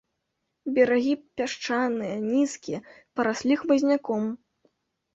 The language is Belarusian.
Берагі пясчаныя, нізкія, параслі хмызняком.